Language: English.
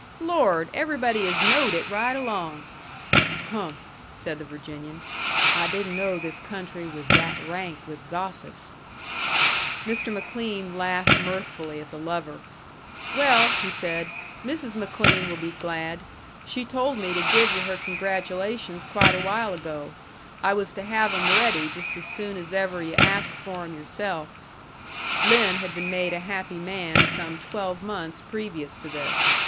"Lord! Everybody has knowed it right along." "Hmp!" said the Virginian. "I didn't know this country was that rank with gossips." Mr. McLean laughed mirthfully at the lover. "Well," he said, "Mrs. McLean will be glad. She told me to give yu' her congratulations quite a while ago. I was to have 'em ready just as soon as ever yu' asked for 'em yourself." Lin had been made a happy man some twelve months previous to this.